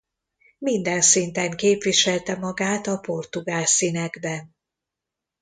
Minden szinten képviselte magát a Portugál színekben.